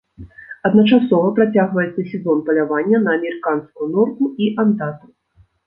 Адначасова працягваецца сезон палявання на амерыканскую норку і андатру.